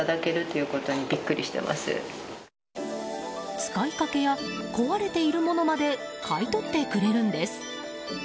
使いかけや壊れているものまで買い取ってくれるんです。